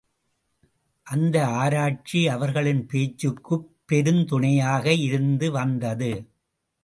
அந்த ஆராய்ச்சி அவர்களின் பேச்சுக்குப் பெருந்துணையாக இருந்து வந்தது.